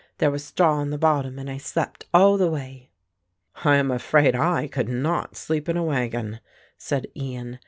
There was straw in the bottom and I slept all the way." "I am afraid I could not sleep in a wagon," said Ian.